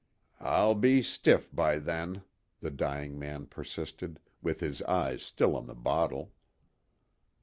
"I'll be stiff by then," the dying man persisted, with his eyes still on the bottle.